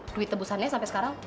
duit tebusannya sampai sekarang